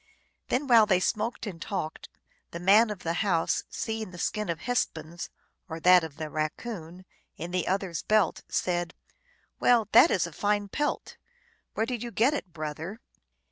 Then while they smoked and talked, the Man of the House, seeing the skin of Hespu.is, or that of the Raccoon, in the other s belt, said, " Well, that is a fine pelt ! Where did you get it, brother